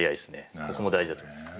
そこも大事だと思います。